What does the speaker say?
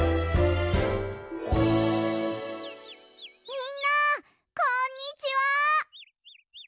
みんなこんにちは！